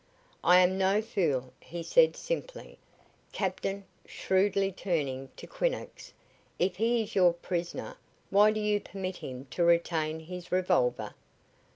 "I am no fool," he said, simply. "Captain," shrewdly turning to Quinnox, "if he is your prisoner, why do you permit him to retain his revolver?"